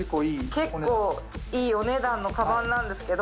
結構いいお値段のかばんなんですけど。